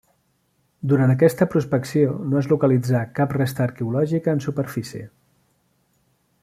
Durant aquesta prospecció no es localitzà cap resta arqueològica en superfície.